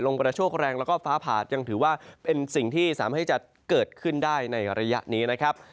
กระโชคแรงแล้วก็ฟ้าผ่ายังถือว่าเป็นสิ่งที่สามารถที่จะเกิดขึ้นได้ในระยะนี้นะครับ